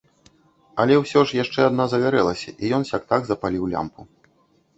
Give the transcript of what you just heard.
Але ўсё ж яшчэ адна загарэлася, і ён сяк-так запаліў лямпу.